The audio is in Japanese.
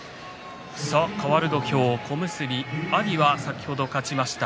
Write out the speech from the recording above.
かわる土俵、小結阿炎は先ほど勝ちました。